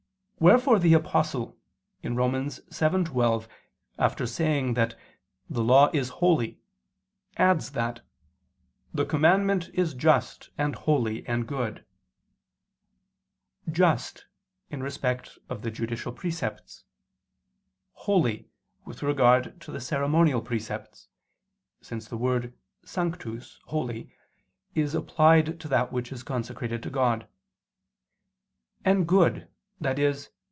Wherefore the Apostle (Rom. 7:12) after saying that the "Law is holy," adds that "the commandment is just, and holy, and good": "just," in respect of the judicial precepts; "holy," with regard to the ceremonial precepts (since the word "sanctus" "holy" is applied to that which is consecrated to God); and "good," i.e.